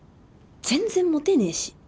全然モテねえし！